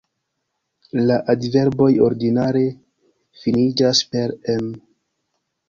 La adverboj ordinare finiĝas per -em.